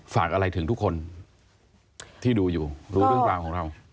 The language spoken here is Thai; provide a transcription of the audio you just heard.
ฝากอะไรถึงทุกคนที่ดูอยู่รู้เรื่องราวของเรา